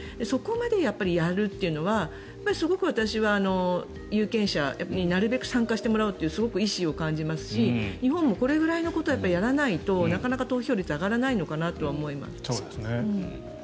そこまでやるというのはすごく私は有権者なるべく参加してもらうというすごく意思を感じますし、日本もこれぐらいのことをやらないとなかなか投票率が上がらないのかなと思います。